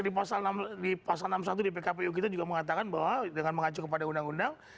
di pasal enam puluh satu di pkpu kita juga mengatakan bahwa dengan mengacu kepada undang undang